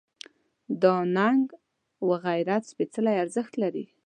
دا ننګ و غیرت سپېڅلی ارزښت دی.